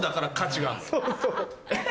そうそう。え？